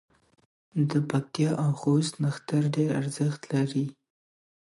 د پکتیا او خوست نښتر ډېر ارزښت لري.